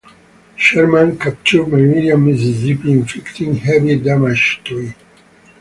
Sherman captured Meridian, Mississippi, inflicting heavy damage to it.